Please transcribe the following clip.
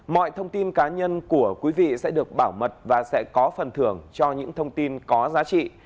mọi thông tin cá nhân của quý vị sẽ được bảo mật và sẽ có phần thưởng cho những thông tin có giá trị